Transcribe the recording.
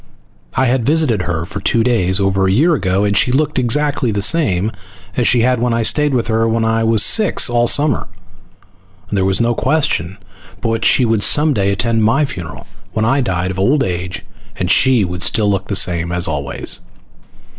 I had visited her for two days over a year ago, and she had looked exactly the same as she had when I stayed with her when I was six all summer, and there was no question but what she would some day attend my funeral when I died of old age, and she would still look the same as always.